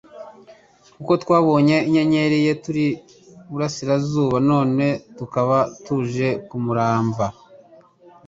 "Kuko twabonye inyenyeri ye turi i burasirazuba none tukaba tuje kumuramva."